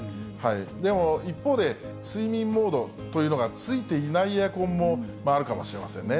でも、一方で、睡眠モードというのが付いていないエアコンもあるかもしれませんね。